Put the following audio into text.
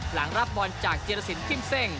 หลังรับบอลจากเจียรสินกิ้มเซ่ง